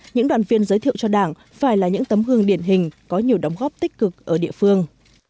những đoàn viên giới thiệu cho đảng phải là những tấm gương điển hình có nhiều đóng góp tích cực ở địa phương